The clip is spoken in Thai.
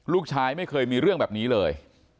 ลูกชายไม่เคยมีเรื่องแบบนี้เลย